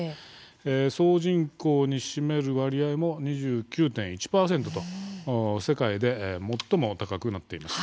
総人口に占める割合も２９．１％と世界で最も高くなっています。